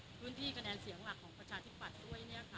ซึ่งเป็นรุ่นที่คะแนนเสียงหลักของประชาธิปัตย์ด้วยเนี่ยค่ะ